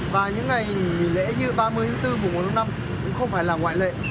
và những ngày nghỉ lễ như ba mươi tháng bốn mùa một tháng năm cũng không phải là ngoại lệ